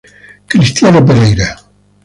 Cristiano Pereira